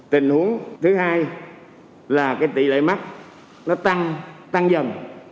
tình huống thứ hai là cái tỷ lệ mắc nó tăng tăng dần